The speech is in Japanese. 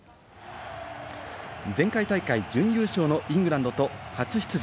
前回大会、準優勝のイングランドと初出場